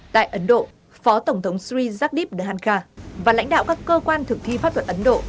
tại ấn độ phó tổng thống sri yadip dhankar và lãnh đạo các cơ quan thực thi pháp luật ấn độ